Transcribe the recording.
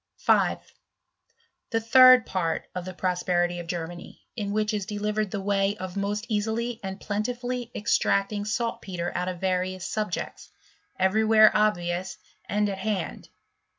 5. The third part of the Prosperity of Germany ( in which is delivered the way of most easily and pleft tifuUy extracting saltpetre out of various subj^eti^ every where obvious and at hand.